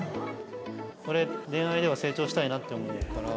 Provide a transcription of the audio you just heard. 俺恋愛では成長したいなって思うから。